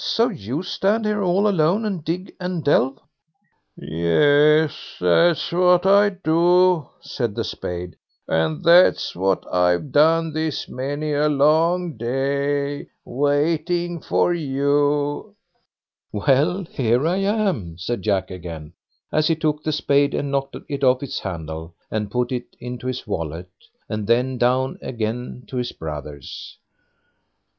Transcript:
"So you stand here all alone, and dig and delve!" "Yes, that's what I do", said the Spade, "and that's what I've done this many a long day, waiting for you." "Well, here I am", said Jack again, as he took the spade and knocked it off its handle, and put it into his wallet, and then down again to his brothers.